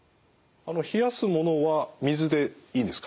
冷やすものは水でいいんですか？